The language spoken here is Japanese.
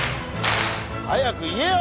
早く言えよ！